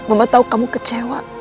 mama tau kamu kecewa